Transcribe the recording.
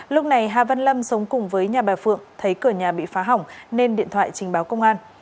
lúc này hà văn lâm sống cùng với nhà bà phượng thấy cửa nhà bị phá hỏng nên điện thoại trình báo công an